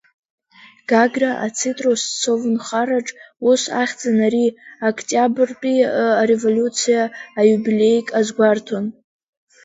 Гагра ацитрус совнхараҿ, ус ахьӡын ари, Октиабртәи ареволиуциа аиубилеик азгәарҭон.